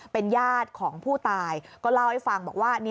เป็นญาติของผู้ตายก็เล่าให้ฟังบอกว่า